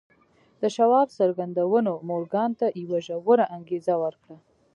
د شواب څرګندونو مورګان ته یوه ژوره انګېزه ورکړه